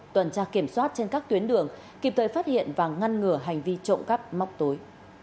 tuần tra kiểm soát trên các tuyến đường kịp thời phát hiện và ngăn ngừa hành vi trộm cắp móc tối